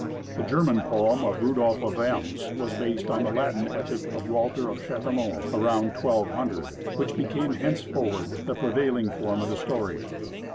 The German poem of Rudolf of Ems was based on the Latin epic of Walter of Châtillon, about 1200, which became henceforward the prevailing form of the story.